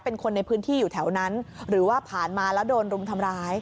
เป็นคนในพื้นที่อยู่แถวนั้นหรือว่าผ่านมาแล้วโดนรุมทำร้าย